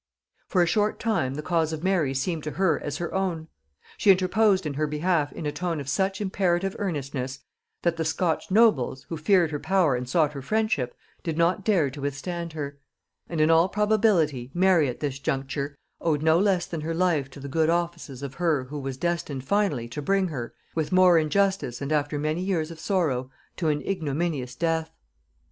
For a short time the cause of Mary seemed to her as her own; she interposed in her behalf in a tone of such imperative earnestness, that the Scotch nobles, who feared her power and sought her friendship, did not dare to withstand her; and in all probability Mary at this juncture owed no less than her life to the good offices of her who was destined finally to bring her, with more injustice and after many years of sorrow, to an ignominious death.